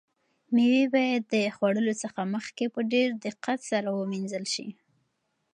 مېوې باید د خوړلو څخه مخکې په ډېر دقت سره ومینځل شي.